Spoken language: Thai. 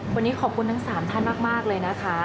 วันนี้ขอบคุณทั้งสามท่านนะ